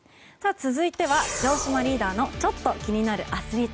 続いては城島リーダーのちょっと気になるアスリート。